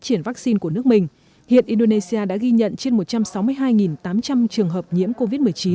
triển vaccine của nước mình hiện indonesia đã ghi nhận trên một trăm sáu mươi hai tám trăm linh trường hợp nhiễm covid một mươi chín